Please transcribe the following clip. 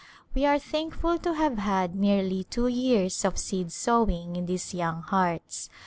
We are so thankful to have had nearly two years of seed sowing in these young hearts.